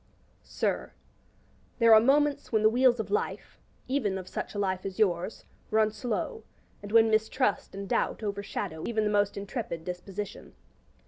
Sir, There are moments when the wheels of life, even of such a life as yours, run slow, and when mistrust and doubt overshadow even the most intrepid disposition.